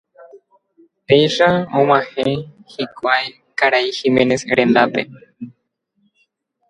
Péicha og̃uahẽ hikuái karai Giménez rendápe.